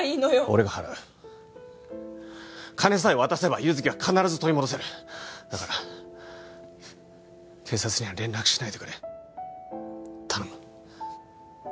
俺が払う金さえ渡せば優月は必ず取り戻せるだから警察には連絡しないでくれ頼む